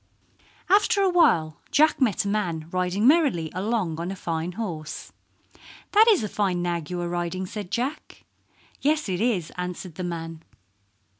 After awhile Jack met a man riding merrily along on a fine horse. "That is a fine nag you are riding," said Jack. "Yes, it is," answered the man.